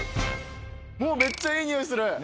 もうめっちゃいい匂いする。